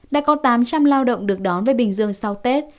đã có tám trăm linh lao động được đón về bình dương sau tết